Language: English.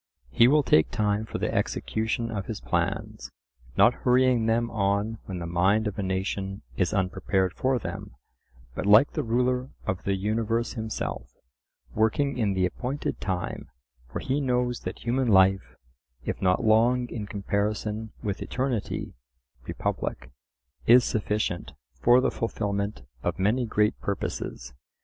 He will take time for the execution of his plans; not hurrying them on when the mind of a nation is unprepared for them; but like the Ruler of the Universe Himself, working in the appointed time, for he knows that human life, "if not long in comparison with eternity" (Republic), is sufficient for the fulfilment of many great purposes.